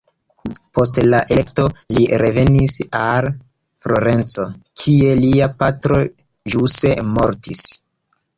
Post la elekto li revenis al Florenco, kie lia patro ĵuse mortis.